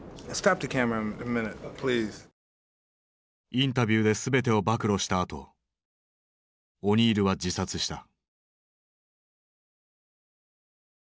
インタビューで全てを暴露したあとオニールは自殺した。